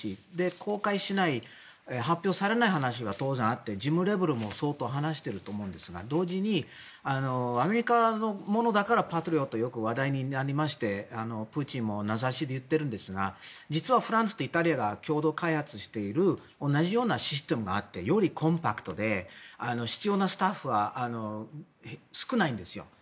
公開しない発表されない話が相当あって事務レベルも相当話していると思うんですが同時にアメリカのものだからパトリオットよく話題になりましてプーチンも名指しで言っているんですが実はフランスとイタリアが共同開発している同じようなシステムがあってよりコンパクトで必要なスタッフは少ないんですよ。